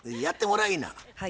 やってもらいいな。